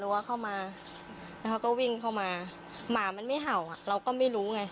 ว่าเข้ามาแล้วเขาก็วิ่งเข้ามาหมามันไม่เห่าอ่ะเราก็ไม่รู้ไง